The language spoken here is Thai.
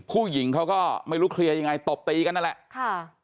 ผู้หญิงเขาก็ไม่รู้เคลียร์ยังไงตบตีกันนั่นแหละค่ะ